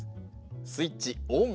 スイッチオン。